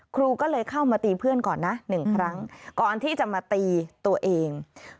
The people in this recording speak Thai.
ครูก็เลยเข้ามาตีเพื่อนก่อนนะ๑ครั้งก่อนที่จะมาตีตัวเอง